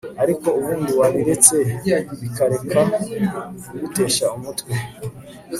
Ariko ubundi wabiretse bikareka kugutesha umutwe